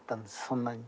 そんなに。